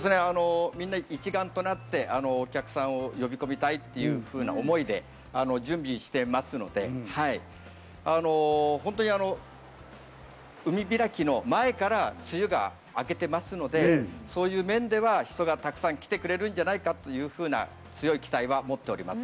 みんな一丸となってお客さんを呼び込みたいという思いで準備してますので、本当に海開きの前から梅雨が明けていますので、そういう面では人がたくさん来てくれるんじゃないかというふうな強い期待を持っております。